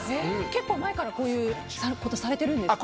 結構前からこういうことされてるんですか。